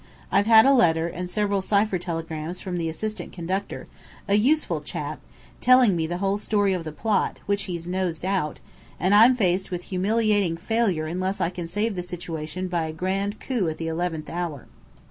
I've had a letter and several cypher telegrams from the assistant conductor, a useful chap, telling me the whole story of the plot, which he's nosed out; and I'm faced with humiliating failure unless I can save the situation by a grand coup at the eleventh hour.